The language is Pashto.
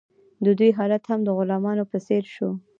د دوی حالت هم د غلامانو په څیر شو.